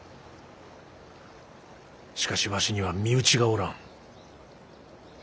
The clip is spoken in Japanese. しかしわしには身内がおらん。